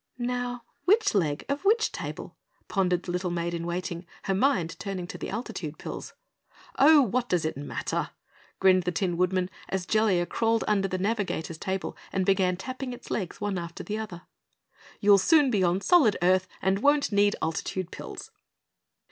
"Now which leg of which table?" pondered the little Maid in Waiting, her mind turning to the altitude pills. "Oh, what does it matter?" grinned the Tin Woodman as Jellia crawled under the navigator's table and began tapping its legs one after the other. "You'll soon be on solid earth and won't need altitude pills."